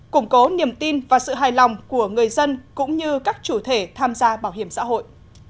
củng cố niềm tin và sự hài lòng của người dân cũng như các chủ thể tham gia bảo hiểm xã hội